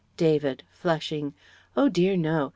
David (flushing); "Oh dear no!